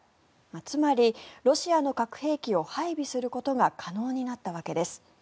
つまり、ロシアの核兵器を配備することが可能になったわけです。